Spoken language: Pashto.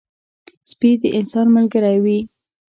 سپي د انسان ملګری وي.